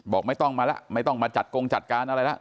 บอกไม่ต้องมาแล้วไม่ต้องมาจัดกงจัดการอะไรแล้ว